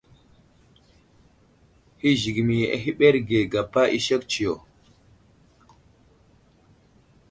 Hi zigəmi ahəɓerge gapa i sek tsiyo.